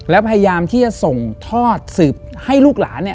แล้วพยายามที่จะส่งทอดสืบให้ลูกหลานเนี่ย